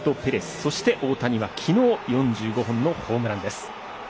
そして大谷は昨日４５本のホームランです。